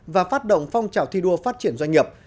và phát động phong trào thi đua phát triển doanh nghiệp